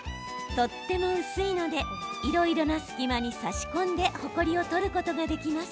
とっても薄いのでいろいろな隙間に差し込んでほこりを取ることができます。